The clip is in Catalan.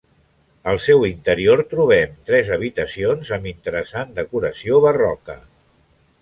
Al seu interior trobem tres habitacions amb interessant decoració barroca.